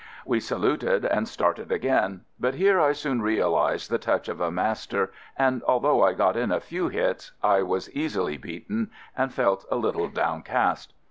We saluted and started again, but here I soon realized the touch of a master, and al though I got in a few hits I was easily beaten and felt a little downcast.